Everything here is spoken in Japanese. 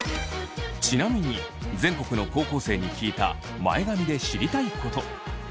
ちなみに全国の高校生に聞いた前髪で知りたいこと。